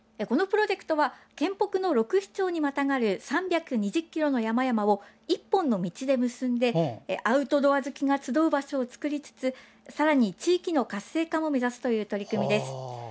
このプロジェクトは県北の６市町にまたがる３２０ｋｍの山々を１本の道で結んでアウトドア好きが集う場所を作りつつさらに地域の活性化も目指すという取り組みです。